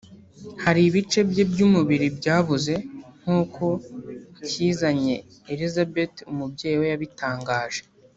hari ibice bye by`umubiri byabuze; nk`uko Cyizanye Elisabeth umubyeyi we yabitangaje